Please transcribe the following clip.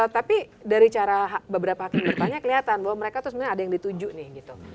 tapi dari cara beberapa hakim bertanya kelihatan bahwa mereka tuh sebenarnya ada yang dituju nih gitu